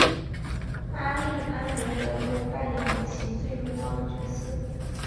阿丽安萝德中扮演了其最重要的角色。